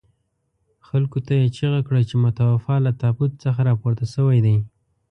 خلکو ته یې چيغه کړه چې متوفي له تابوت څخه راپورته شوي دي.